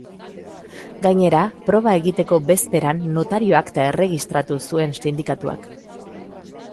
Gainera, proba egiteko bezperan notario-akta erregistratu zuen sindikatuak.